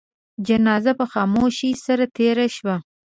جنازه په خاموشی سره تېره شوه.